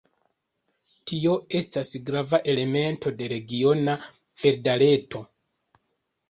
Tio estas grava elemento de regiona verda reto.